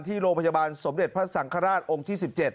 ที่โรงพยาบาลสมเด็จพระสังฆราชองค์ที่๑๗